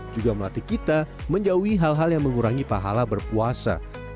juga melatih kita menjauhi hal hal yang mengurangi pahala berpuasa